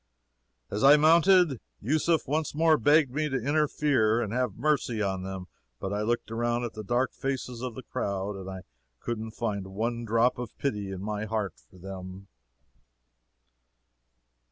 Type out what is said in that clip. "As I mounted, Yusef once more begged me to interfere and have mercy on them, but I looked around at the dark faces of the crowd, and I couldn't find one drop of pity in my heart for them."